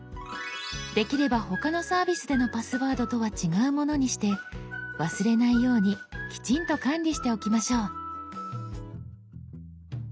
できれば他のサービスでのパスワードとは違うものにして忘れないようにきちんと管理しておきましょう。